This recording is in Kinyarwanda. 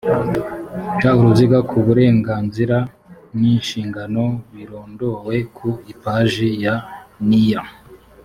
ca uruziga ku burenganzira n inshingano birondowe ku ipaji ya n iya